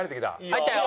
入ったよ。